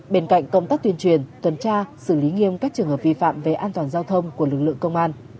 bên cạnh công tác tuyên truyền tuần tra xử lý nghiêm các trường hợp vi phạm về an toàn giao thông của lực lượng công an